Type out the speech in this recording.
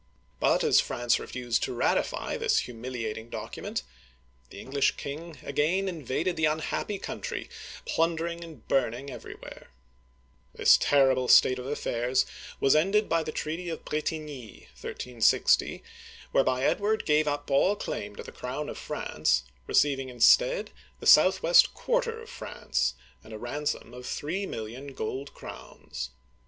But, as France refused to ratify this humiliating document, the English king again invaded the unhappy country, plunder ing and burning everywhere. This terrible state of affairs was ended by the treaty of Bretigny (brS teen yee', 1360), whereby Edward gave up uigiTizea Dy vjiOOQlC i62 OLD FRANCE all claim to the crown of France, receiving instead the southwest quarter of France (see third map, page 163) and a ransom of three million gold crowns.